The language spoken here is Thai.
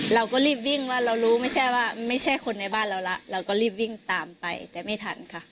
เราก็รีบวิ่งว่าเรารู้ไม่ใช่ว่าไม่ใช่คนในบ้านเราแล้วเราก็รีบวิ่งตามไปแต่ไม่ทันค่ะ